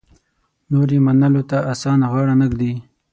نور یې منلو ته اسانه غاړه نه ږدي.